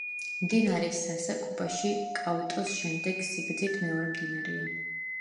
მდინარე სასა კუბაში კაუტოს შემდეგ სიგრძით მეორე მდინარეა.